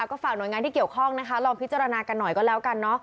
ก็ฝากหน่วยงานที่เกี่ยวข้องนะคะลองพิจารณากันหน่อยก็แล้วกันเนอะ